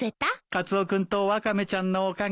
カツオ君とワカメちゃんのおかげでね。